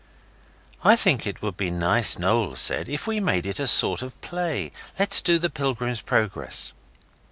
'I think it would be nice,' Noel said, 'if we made it a sort of play. Let's do the Pilgrim's Progress.